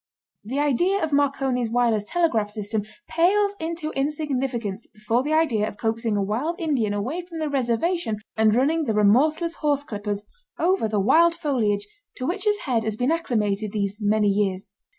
The idea of Marconi's wireless telegraph system pales into insignificance before the idea of coaxing a wild Indian away from the reservation and running the remorseless horse clippers over the wild foliage to which his head has been acclimated these many years.